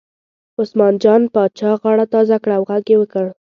عثمان جان پاچا غاړه تازه کړه او غږ یې وکړ.